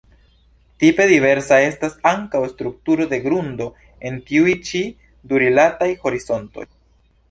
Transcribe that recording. Tipe diversa estas ankaŭ strukturo de grundo en tiuj ĉi du rilataj horizontoj.